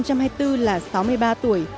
năm hai nghìn hai mươi bốn là sáu mươi ba tuổi